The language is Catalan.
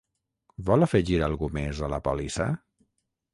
Vol afegir algú més a la pòlissa?